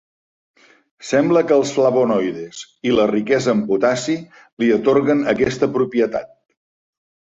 Sembla que els flavonoides, i la riquesa en potassi li atorguen aquesta propietat.